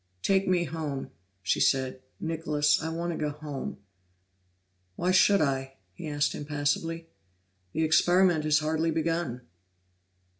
"Take me home," she said. "Nicholas, I want to go home." "Why should I?" he asked impassively. "The experiment is hardly begun."